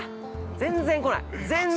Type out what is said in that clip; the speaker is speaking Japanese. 全然来ない！